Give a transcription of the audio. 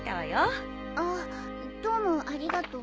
あっどうもありがとう。